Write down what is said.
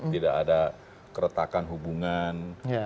tidak ada keretakan hubungan